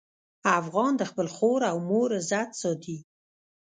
افغان د خپل خور او مور عزت ساتي.